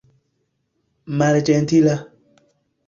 malĝentila